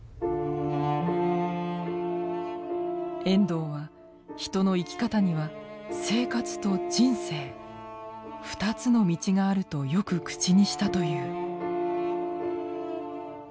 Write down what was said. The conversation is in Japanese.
遠藤は人の生き方には「生活」と「人生」ふたつの道があるとよく口にしたという。